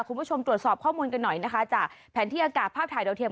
คุณผู้ชมตรวจสอบข้อมูลกันหน่อยนะคะจากแผนที่อากาศภาพถ่ายดาวเทียม